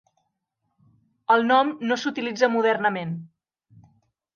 El nom no s'utilitza modernament.